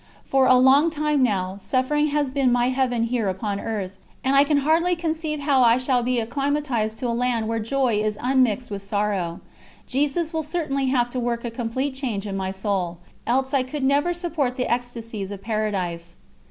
For a long time now, suffering has been my Heaven here upon earth, and I can hardly conceive how I shall become acclimatised to a land where joy is unmixed with sorrow. Jesus will certainly have to work a complete change in my soul else I could never support the ecstasies of Paradise."